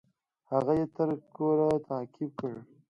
هغه يې تر کوره تعقيب کړى.